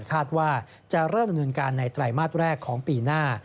คาดว่าจะเริ่มดำเนินการในไตรมาสแรกของปีหน้า